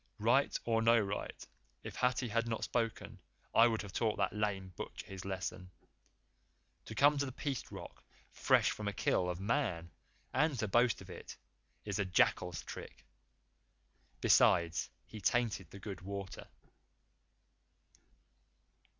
Right or no right, if Hathi had not spoken I would have taught that lame butcher his lesson. To come to the Peace Rock fresh from a kill of Man and to boast of it is a jackal's trick. Besides, he tainted the good water."